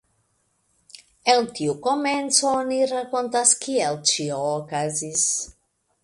El tiu komenco oni rakontas kiel ĉio okazis.